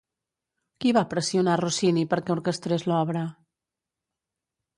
Qui va pressionar Rossini perquè orquestres l'obra?